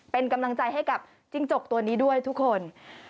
เป็นกำลังใจให้กับจิ้งจกตัวนี้ด้วยทุกคน